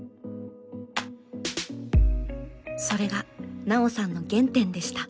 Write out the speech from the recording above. それが奈緒さんの原点でした。